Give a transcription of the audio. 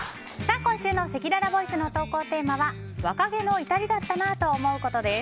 今週のせきららボイスの投稿テーマは若気の至りだったなぁと思うことです。